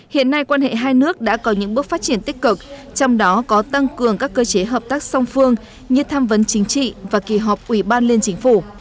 hiện nay quan hệ hai nước đã có những bước phát triển tích cực trong đó có tăng cường các cơ chế hợp tác song phương như tham vấn chính trị và kỳ họp ủy ban liên chính phủ